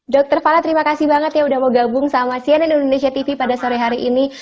dr fala terima kasih banget ya udah mau gabung sama cnn indonesia tv pada sore hari ini